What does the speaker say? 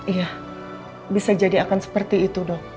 iya bisa jadi akan seperti itu dong